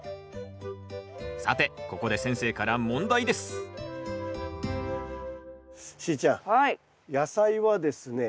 さてここで先生から問題ですしーちゃん野菜はですね